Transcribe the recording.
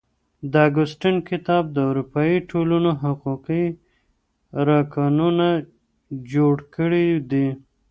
د اګوستين کتاب د اروپايي ټولنو حقوقي رکنونه جوړ کړي دي.